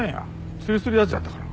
釣りする奴やったかな？